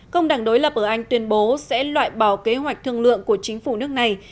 công đảng đối lập ở anh tuyên bố sẽ loại bỏ kế hoạch thương lượng của chính phủ nước này